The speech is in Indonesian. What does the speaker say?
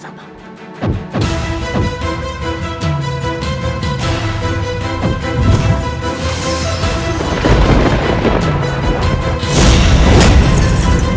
aku juga ingin mengambil darah suci